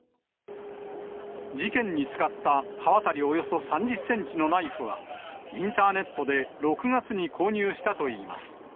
事件に使った刃渡りおよそ３０センチのナイフは、インターネットで６月に購入したといいます。